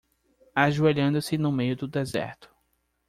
Ajoelhando-se no meio do deserto